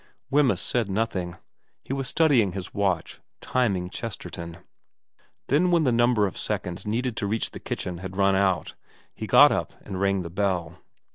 Wemyss said nothing. He was studying his watch, timing Chesterton. Then when the number of seconds needed to reach the kitchen had run out, he got up and rang the bell.